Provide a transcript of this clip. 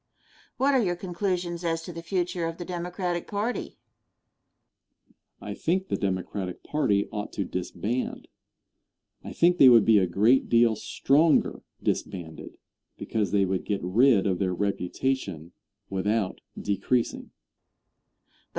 Question. What are your conclusions as to the future of the Democratic party? Answer. I think the Democratic party ought to disband. I think they would be a great deal stronger disbanded, because they would get rid of their reputation without decreasing.